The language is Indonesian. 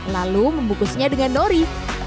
lalu membukusnya dengan nori